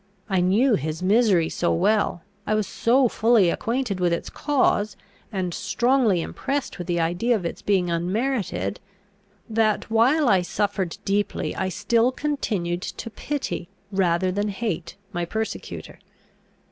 I knew his misery so well, I was so fully acquainted with its cause, and strongly impressed with the idea of its being unmerited, that, while I suffered deeply, I still continued to pity, rather than hate my persecutor.